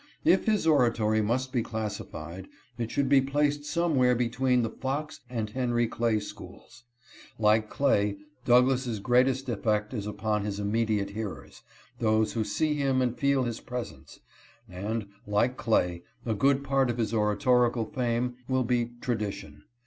If his oratory must be classified, it should be placed somewhere between the Fox and Henry Clay schools. Like Clay, Douglass' greatest effect is upon his immediate hearers, those who see him and feel his presence, and, like Clay, a good part of his oratorical fame will be tradition.